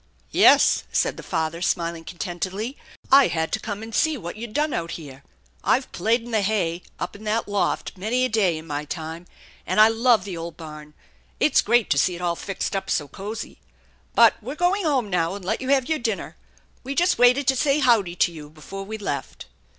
" Yes," said the father, smiling contentedly, " I had to come and see what you'd done out here. I've played in the hay up in that loft many a day in my time, and I love the old barn. It's great to see it all fixed up so cozy. But we're going home now and let you have your dinner. We just waited to say ' Howdy ' to you before we left."